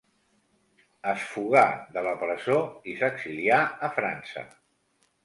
Es fugà de la presó i s'exilià a França.